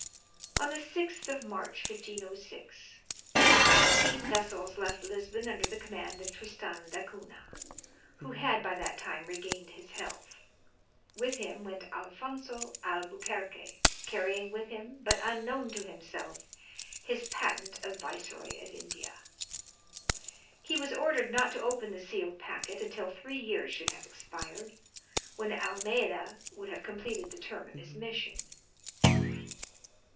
On the 6th of March, 1506, sixteen vessels left Lisbon under the command of Tristan da Cunha, who had by that time regained his health. With him went Alfonzo Albuquerque, carrying with him, but unknown to himself, his patent of Viceroy of India. He was ordered not to open the sealed packet until three years should have expired, when Almeida would have completed the term of his mission.